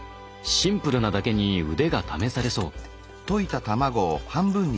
シンプルなだけに腕が試されそう。